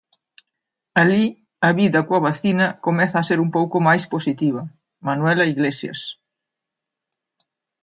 Alí, a vida coa vacina comeza a ser un pouco máis positiva, Manuela Iglesias.